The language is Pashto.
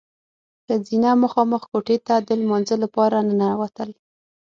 ښځینه مخامخ کوټې ته د لمانځه لپاره ننوتل.